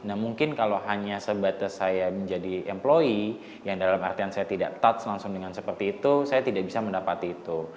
nah mungkin kalau hanya sebatas saya menjadi employe yang dalam artian saya tidak touch langsung dengan seperti itu saya tidak bisa mendapati itu